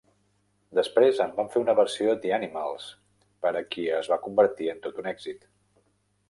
Després en van fer una versió The Animals, per a qui es va convertir en tot un èxit.